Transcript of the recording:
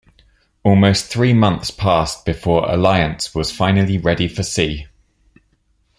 Almost three months passed before "Alliance" was finally ready for sea.